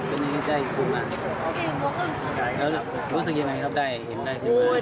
รู้สึกอย่างไรครับรู้สึกอย่างไรครับได้เห็นได้ขึ้นไหม